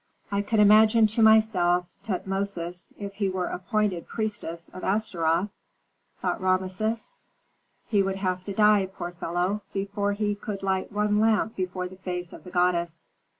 "I can imagine to myself Tutmosis if he were appointed priestess of Astaroth," thought Rameses. "He would have to die, poor fellow, before he could light one lamp before the face of the goddess."